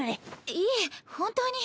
いえ本当に。